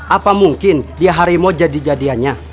apa mungkin dia harimau jadi jadiannya